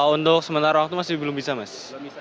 untuk sementara waktu masih belum bisa mas